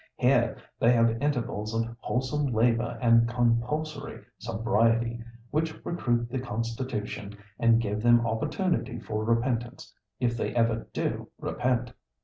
Here they have intervals of wholesome labour and compulsory sobriety, which recruit the constitution and give them opportunity for repentance, if they ever do repent."